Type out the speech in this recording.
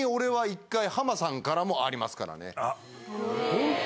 ホント？